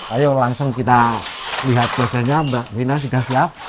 ayo langsung kita lihat prosesnya mbak wina sudah siap